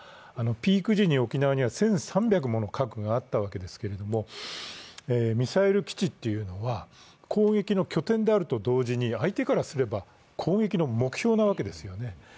ピーク時に沖縄には１３００もの核があったわけですけれども、ミサイル基地というのは攻撃の拠点であると同時に相手からすれば、攻撃の目標なわけですよね。